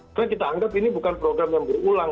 karena kita anggap ini bukan program yang berulang